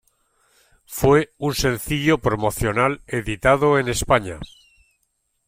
Fue un sencillo promocional editado en España.